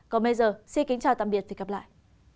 còn bây giờ xin kính chào tạm biệt và hẹn gặp lại